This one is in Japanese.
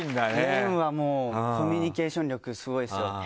廉はもうコミュニケーション力スゴいですよ。